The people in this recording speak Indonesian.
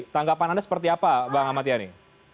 tanggapan anda seperti apa pak ahmad yani